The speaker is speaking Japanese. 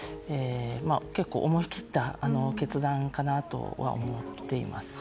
結構、思い切った決断かなとは思っています。